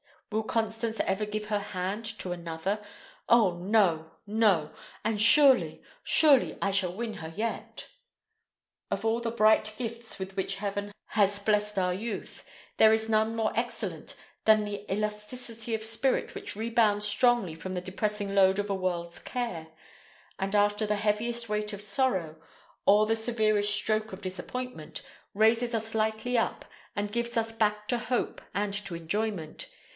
Will Constance ever give her hand to another? Oh, no, no! And surely, surely, I shall win her yet." Of all the bright gifts with which heaven has blessed our youth, there is none more excellent than that elasticity of spirit which rebounds strongly from the depressing load of a world's care, and after the heaviest weight of sorrow, or the severest stroke of disappointment, raises us lightly up, and gives us back to hope and to enjoyment.